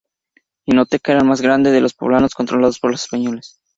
Jinotega era el más grande de los poblados controlados por los españoles.